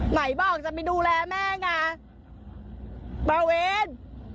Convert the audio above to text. ไหนบอกจะไปดูแลแม่งอ่ะมาวิน